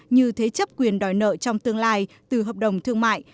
như thế chấp quyền đòi nợ trong tương lai từ hợp đồng thương mại